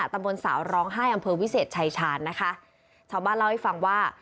ตำบลสาวร้องไห้อำเภอวิเศษชายชาญนะคะชาวบ้านเล่าให้ฟังว่า